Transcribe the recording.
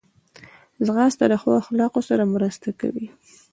ځغاسته د ښو اخلاقو سره مرسته کوي